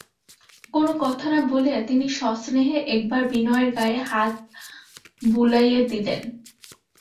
কোনো কথা না বলিয়া তিনি সস্নেহে একবার বিনয়ের গায়ে হাত বুলাইয়া দিলেন।